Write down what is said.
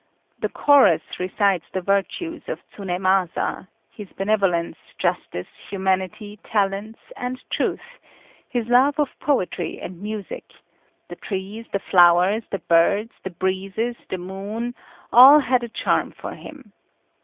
The chorus recites the virtues of Tsunémasa his benevolence, justice, humanity, talents, and truth; his love of poetry and music; the trees, the flowers, the birds, the breezes, the moon all had a charm for him.